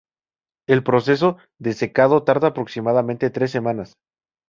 El proceso de secado tarda aproximadamente tres semanas.